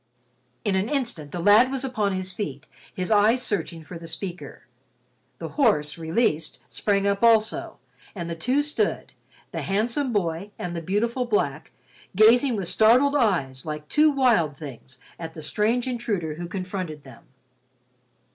In an instant, the lad was upon his feet his eyes searching for the speaker. The horse, released, sprang up also, and the two stood—the handsome boy and the beautiful black—gazing with startled eyes, like two wild things, at the strange intruder who confronted them.